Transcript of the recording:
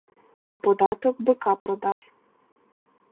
На податок бика продав.